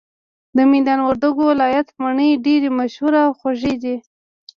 د ميدان وردګو ولايت مڼي ډيري مشهوره او خوږې دي